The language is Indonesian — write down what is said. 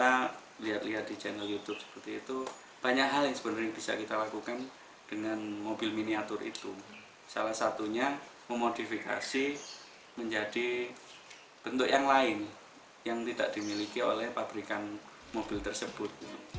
kita lihat lihat di channel youtube seperti itu banyak hal yang sebenarnya bisa kita lakukan dengan mobil miniatur itu salah satunya memodifikasi menjadi bentuk yang lain yang tidak dimiliki oleh pabrikan mobil tersebut